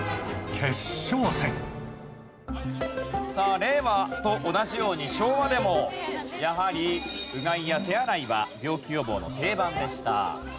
さあ令和と同じように昭和でもやはりうがいや手洗いは病気予防の定番でした。